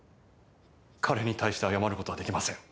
彼に対して謝る事はできません。